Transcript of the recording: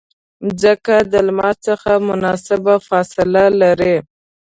مځکه د لمر څخه مناسبه فاصله لري.